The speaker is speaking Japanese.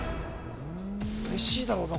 嬉しいだろうな